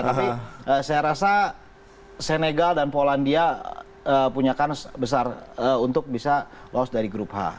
tapi saya rasa senegal dan polandia punya kans besar untuk bisa lolos dari grup h